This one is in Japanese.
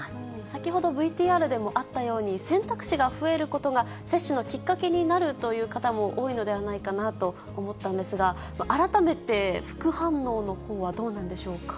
先ほどＶＴＲでもあったように、選択肢が増えることが接種のきっかけになるという方も多いのではないかなと思ったんですが、改めて副反応のほうはどうなんでしょうか？